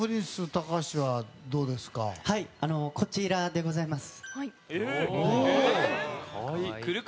高橋：こちらでございます。